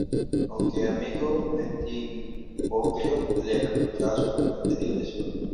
Aunque amigo, Bentivoglio le reprochaba sus frecuentes digresiones.